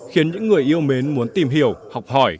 khiến những người yêu mến muốn tìm hiểu học hỏi